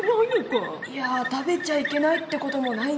いや食べちゃいけないって事もないんじゃない？